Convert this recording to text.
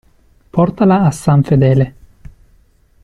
Portala a San Fedele.